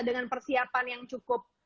dengan persiapan yang cukup